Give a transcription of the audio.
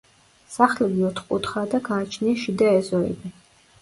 სახლები ოთხკუთხაა და გააჩნია შიდა ეზოები.